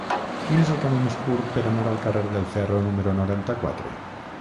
Quin és el camí més curt per anar al carrer del Ferro número noranta-quatre?